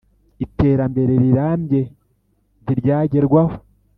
Iterambere rirambye ntiryagerwaho